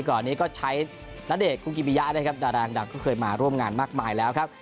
ก่อนนี้ก็ใช้ราเดทพุกิวียะดารางดังเคยมาร่วมงานมากมายแล้วครับ